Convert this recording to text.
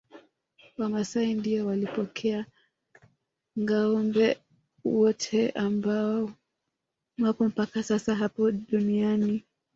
Wamasai ndio walipokea ngâombe wote ambao wapo mpaka sasa hapa duniani